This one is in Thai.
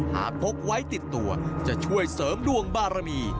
พกไว้ติดตัวจะช่วยเสริมดวงบารมี